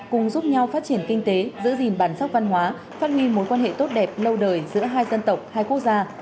cùng giúp nhau phát triển kinh tế giữ gìn bản sắc văn hóa phát huy mối quan hệ tốt đẹp lâu đời giữa hai dân tộc hai quốc gia